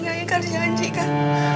yang ingin dijanjikan